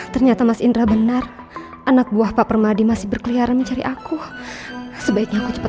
ternyata mas indra benar anak buah pak permadi masih berkeliaran mencari aku sebaiknya aku cepat